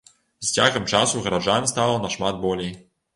З цягам часу гараджан стала нашмат болей.